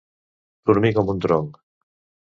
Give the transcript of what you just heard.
Dormir com un tronc.